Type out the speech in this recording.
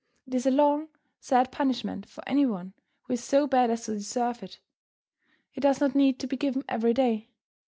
It is a long, sad punishment for any one who is so bad as to deserve it. It does not need to be given every day.